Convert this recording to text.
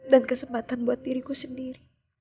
dan kesempatan buat diriku sendiri